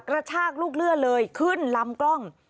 กระชากลูกเลือดเลยขึ้นลำกล้อง